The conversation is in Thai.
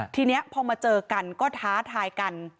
ทีนี้พอมาเจอกันก็ท้าทายกัน